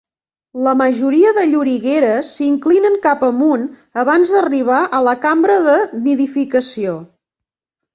La majoria de llorigueres s'inclinen cap amunt abans d'arribar a la cambra de nidificació.